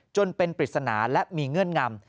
จนเป็นปริศนาและมีเงื่อนงำ